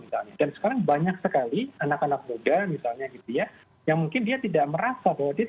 tetapi sistem imunnya tidak seimbang dari itu